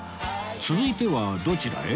続いてはどちらへ？